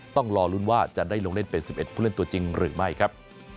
ต้องรอลุ้นว่าจะได้ลงเล่นเป็น๑๑ผู้เล่นตัวจริงหรือไม่ครับ